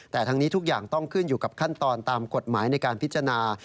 แต่ทั้งนี้ทุกอย่างต้องขึ้นอยู่กับขั้นตอนตามกฎหมายในการพิจารณา